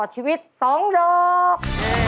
ชีวิต๒ดอก